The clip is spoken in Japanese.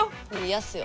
嫌っすよ。